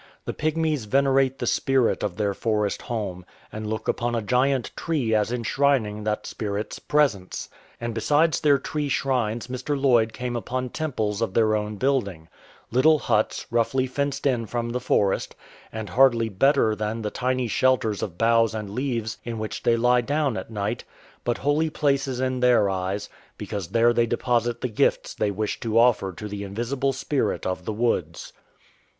The Pygmies venerate the Spirit of their forest home, and look upon a giant tree as enshrin ing that Spirit's presence. And besides their tree shrines Mr. Lloyd came upon temples of their own building — little huts, roughly fenced in from the forest, and hardly better than the tiny shelters of boughs and leaves in which they lie down at night, but holy places in their eyes, because there they deposit the gifts they wish to offer to the invisible Spirit of the woods.